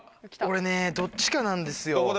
俺ねどっちかなんですよ。